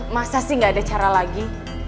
masa sih gak ada cara lagi